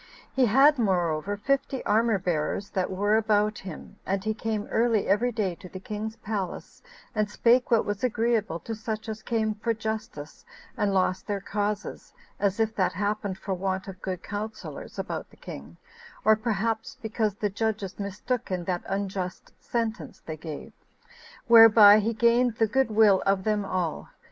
He had moreover fifty armor bearers that were about him; and he came early every day to the king's palace, and spake what was agreeable to such as came for justice and lost their causes, as if that happened for want of good counselors about the king, or perhaps because the judges mistook in that unjust sentence they gave; whereby he gained the good will of them all.